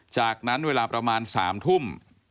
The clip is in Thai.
จากนั้นเวลาประมาณ๓ทุ่ม